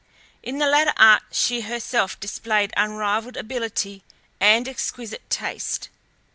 In the latter art she herself displayed unrivalled ability and exquisite taste.